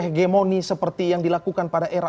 hegemoni seperti yang dilakukan pada era